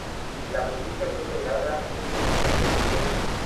La provincia fue creada mediante Ley No.